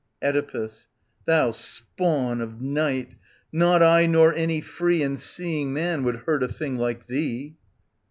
Oedipus. Thou spawn of Night, not I nor any free And seeing man would hurt a thing like thee.